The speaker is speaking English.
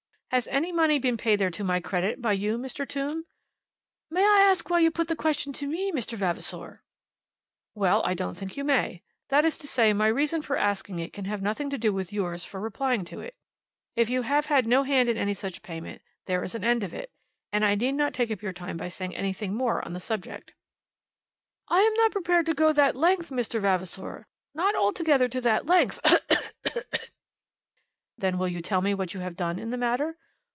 "Has any money been paid there to my credit, by you, Mr. Tombe?" "May I ask you why you put the question to me, Mr. Vavasor?" "Well, I don't think you may. That is to say, my reason for asking it can have nothing to do with yours for replying to it. If you have had no hand in any such payment, there is an end of it, and I need not take up your time by saying anything more on the subject." "I am not prepared to go that length, Mr. Vavasor, not altogether to go that length, ugh ugh ugh." "Then, will you tell me what you have done in the matter?"